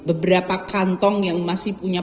beberapa kantong yang masih punya